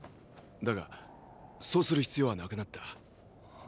だがそうする必要はなくなった。